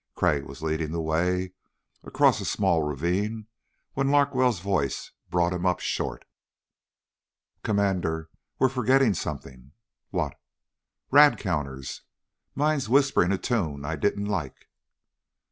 Crag was leading the way across a small ravine when Larkwell's voice brought him up short: "Commander, we're forgetting something." "What?" "Radcounters. Mine's whispering a tune I didn't like."